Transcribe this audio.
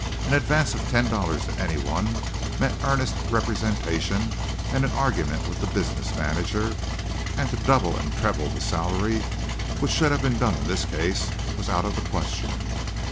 An advance of ten dollars to anyone meant earnest representation and an argument with the business manager, and to double and treble the salary, which should have been done in this case, was out of the question.